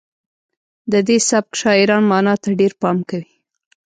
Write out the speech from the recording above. د دې سبک شاعران معنا ته ډیر پام کوي